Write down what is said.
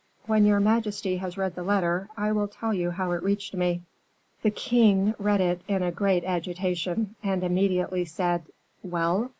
"When your majesty has read the letter, I will tell you how it reached me." The king read it in a great agitation, and immediately said, "Well?"